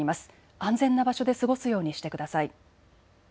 安全な場所で過ごすようにしてください。